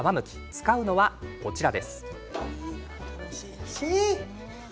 使うのはこちら。